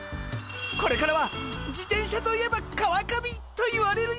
これからは自転車といえば川上と言われるようになるんだ！